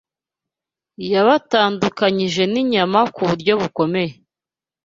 Yabatandukanyije n’inyama ku buryo bukomeye